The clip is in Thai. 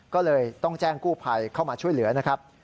ก็เลยต้องแจ้งกู้ภัยเข้ามาช่วยเหลือนะครับ